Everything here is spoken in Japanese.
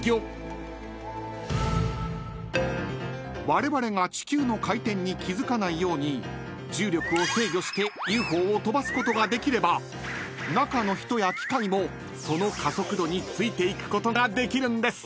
［われわれが地球の回転に気付かないように重力を制御してＵＦＯを飛ばすことができれば中の人や機械もその加速度についていくことができるんです］